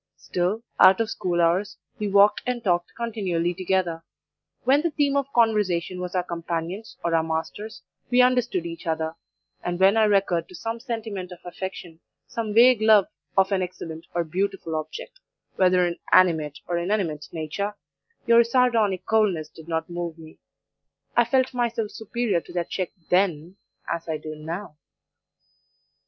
Still, out of school hours we walked and talked continually together; when the theme of conversation was our companions or our masters we understood each other, and when I recurred to some sentiment of affection, some vague love of an excellent or beautiful object, whether in animate or inanimate nature, your sardonic coldness did not move me. I felt myself superior to that check THEN as I do NOW.